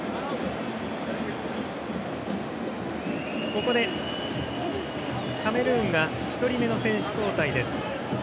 ここでカメルーンが１人目の選手交代です。